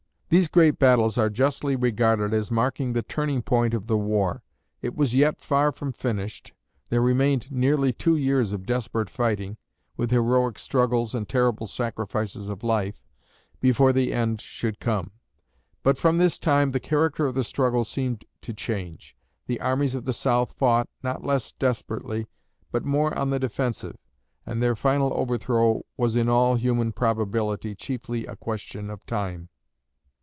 These great battles are justly regarded as marking the turning point of the war. It was yet far from finished; there remained nearly two years of desperate fighting, with heroic struggles and terrible sacrifice of life, before the end should come. But from this time the character of the struggle seemed to change. The armies of the South fought, not less desperately, but more on the defensive; and their final overthrow was in all human probability chiefly a question of time.